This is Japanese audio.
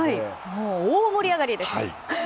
もう大盛り上がりでした！